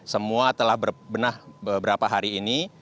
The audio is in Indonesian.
semua telah berbenah beberapa hari ini